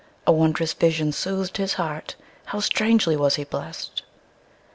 A wondrous vision soothed his heartHow strangely was he blessed!